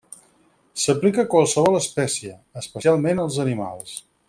S'aplica a qualsevol espècie, especialment als animals.